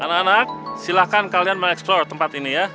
anak anak silahkan kalian mengeksplor tempat ini ya